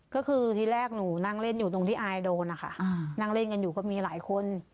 ก็คือที่แรกหนูนั่งเล่นอยู่ตรงที่อายโดนนะคะนั่งเล่นกันอยู่ก็มีหลายคน